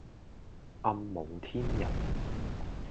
暗無天日